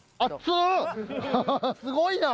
すごいな。